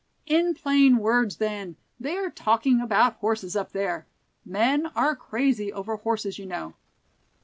"In plain words, then, they are talking about horses up there; men are crazy over horses you know."